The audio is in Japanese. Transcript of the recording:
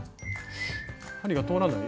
針が通らない？